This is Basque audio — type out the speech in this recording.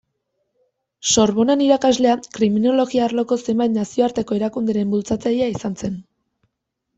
Sorbonan irakaslea, kriminologia arloko zenbait nazioarteko erakunderen bultzatzailea izan zen.